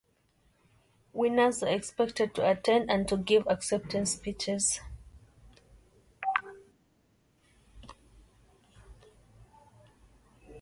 Winners are expected to attend and to give acceptance speeches.